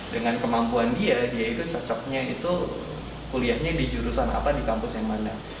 dengan kemampuan dia dia itu cocoknya itu kuliahnya di jurusan apa di kampus yang mana